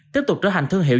tiếp tục trở thành thương hiệu